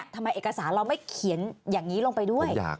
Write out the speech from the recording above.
ทำไมเอกสารเราไม่เขียนอย่างนี้ลงไปด้วย